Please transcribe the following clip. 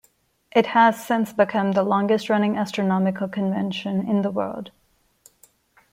It has since become the longest running astronomical convention in the world.